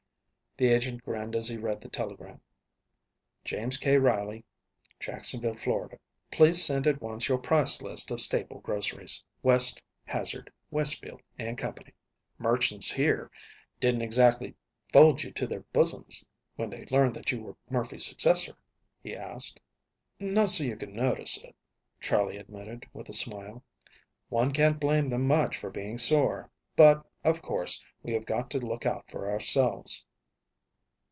The agent grinned as he read the telegram: "JAMES K. RILEY, Jacksonville, Fla. Please send at once your price list of staple groceries. WEST, HAZARD, WESTFIELD & CO." "Merchants here didn't exactly fold you to their bosoms, when they learned that you were Murphy's successor?" he asked. "Not so you could notice it," Charley admitted, with a smile. "One can't blame them much for being sore, but, of course, we have got to look out for ourselves."